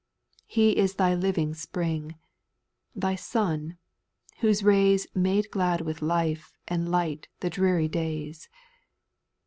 . He is thy living spring, thy sun, whose rays Make glad with life and light thy dreary days.